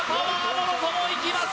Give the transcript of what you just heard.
もろともいきます